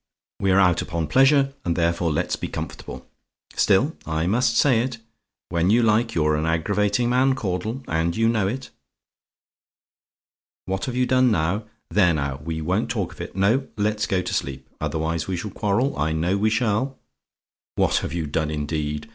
We're out upon pleasure, and therefore let's be comfortable. Still, I must say it: when you like, you're an aggravating man, Caudle, and you know it. "WHAT HAVE YOU DONE NOW? "There, now; we won't talk of it. No; let's go to sleep: otherwise we shall quarrel I know we shall. What have you done, indeed!